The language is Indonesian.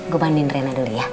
gue bandingin rena dulu ya